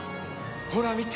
ほら見て！